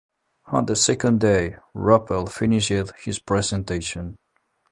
On the second day, Ruppelt finished his presentation.